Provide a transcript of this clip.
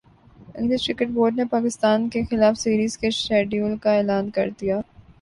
English cricket board نے پاکستان کیخلاف series کے شیڈول کا اعلان کر دیا